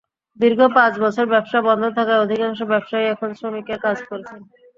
দীর্ঘ পাঁচ বছর ব্যবসা বন্ধ থাকায় অধিকাংশ ব্যবসায়ী এখন শ্রমিকের কাজ করছেন।